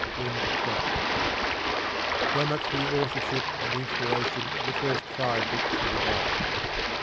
So much for the authorship and the inspiration of the first five books of the Bible.